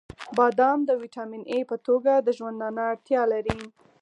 • بادام د ویټامین ای په توګه د ژوندانه اړتیا لري.